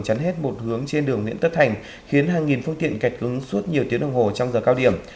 chắn hết một hướng trên đường nguyễn tất thành khiến hàng nghìn phương tiện kẹt cứng suốt nhiều tiếng đồng hồ trong giờ cao điểm